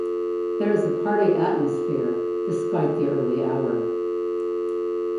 There is a party atmosphere, despite the early hour.